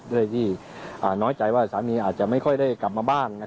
ด้วยที่น้อยใจว่าสามีอาจจะไม่ค่อยได้กลับมาบ้าน